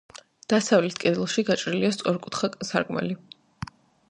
დასავლეთ კედელში გაჭრილია სწორკუთხა სარკმელი.